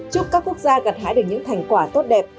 chúc các quốc gia gặt hải đến những thành quả tốt đẹp